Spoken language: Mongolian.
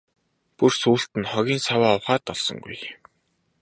Бүр сүүлд нь хогийн саваа ухаад олсонгүй.